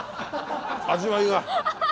味わいが。